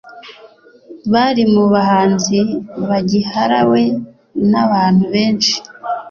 bari mu bahanzi bagiharawe n’abantu benshi